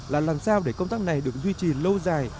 là làm sao để công tác này được duy trì lâu dài